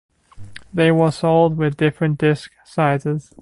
They were sold with different disk sizes.